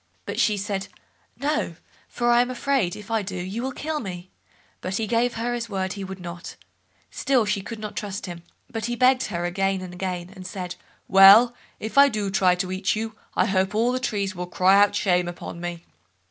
But she said, "No, for I am afraid, if I do, you will kill me." But he gave, her his word he would not; still she could not trust him; but he begged her again and again, and said: "Well, if I do try to eat you, I hope all the trees will cry out shame upon me."